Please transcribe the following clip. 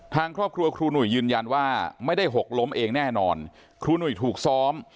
ทางครอบครัวครูหนุ่ยยืนยันว่าไม่ได้หกล้มเองแน่นอนครูหนุ่ยถูกซ้อม